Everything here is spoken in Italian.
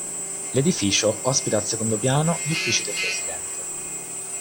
L'edificio ospita, al secondo piano, gli uffici del Presidente.